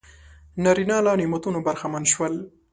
نارینه له نعمتونو برخمن شول.